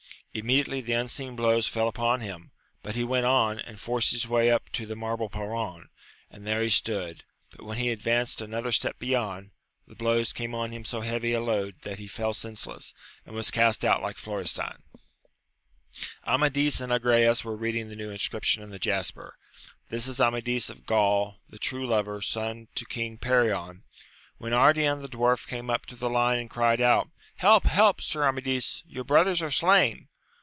Immediately the unseen blows fell upon him, but he went on, and forced his way up to the marble perron, and there he stood ; but, when he advanced another IT— ^ 260 AMADIS OF GAVL. step beyond, the blows came on him so heavy a load, that he fell senseless, and was cast out like Florestan. Amadis and Agrayes were reading the new inscrip tion in the jasper, This is Amadis of GranI, the true lover, son to King Perion, — ^when Ardian the dwarf came up to the line, and cried out, Help ! help, Sir Amadis, your brothers are slain